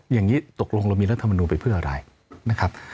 อย่างนี้ตกลงเรามีรัฐมนูลไปเพื่ออะไรนะครับ